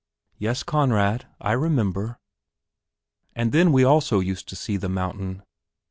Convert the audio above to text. "Yes, Conrad, I remember." "And then we also used to see the mountain.